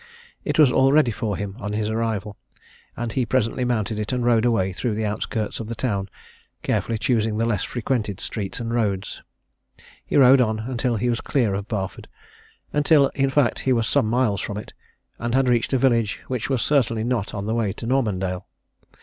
It was all ready for him on his arrival, and he presently mounted it and rode away through the outskirts of the town, carefully choosing the less frequented streets and roads. He rode on until he was clear of Barford: until, in fact, he was some miles from it, and had reached a village which was certainly not on the way to Normandale.